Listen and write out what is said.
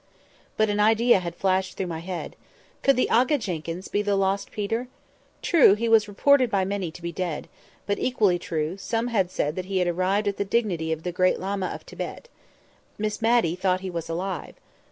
But an idea had flashed through my head; could the Aga Jenkyns be the lost Peter? True he was reported by many to be dead. But, equally true, some had said that he had arrived at the dignity of Great Lama of Thibet. Miss Matty thought he was alive.